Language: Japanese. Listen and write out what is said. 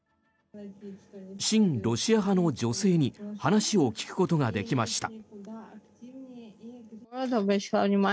親ロシア派の女性に話を聞くことができました。